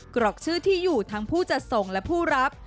กรอกชื่อที่อยู่ทั้งผู้จัดส่งและผู้รับ